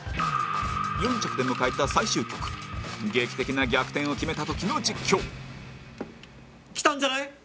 ４着で迎えた最終局劇的な逆転を決めた時の実況きたんじゃない？